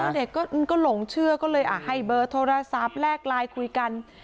เด็กก็หลงเชื่อก็เลยให้เบอร์โทรศัพท์แลกไลน์คุยกัน